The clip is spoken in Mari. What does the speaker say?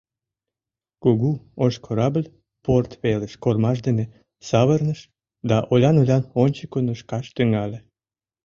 Кугу ош корабль порт велыш кормаж дене савырныш да олян-олян ончыко нушкаш тӱҥале.